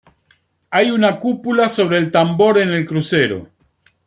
Hay una cúpula sobre tambor en el crucero.